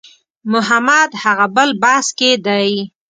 محمد هغه بل بس کې دی.